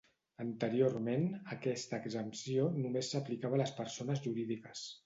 Anteriorment, aquesta exempció només s'aplicava a les persones jurídiques.